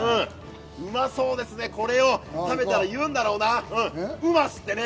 うまそうですね、これを食べたら言うんだろうな、うまし！ってね。